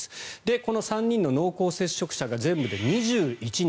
この３人の濃厚接触者が全部で２１人。